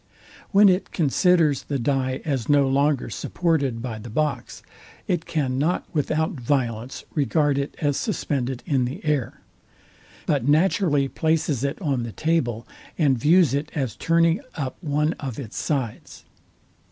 When it considers the dye as no longer supported by the box, it can not without violence regard it as suspended in the air; but naturally places it on the table, and views it as turning up one of its sides.